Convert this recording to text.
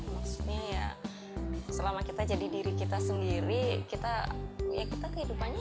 maksudnya ya selama kita jadi diri kita sendiri kita ya kita kehidupannya